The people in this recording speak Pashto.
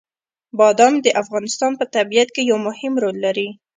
بادام د افغانستان په طبیعت کې یو مهم رول لري.